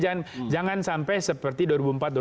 artinya jangan sampai seperti dua ribu empat dua ribu sembilan lah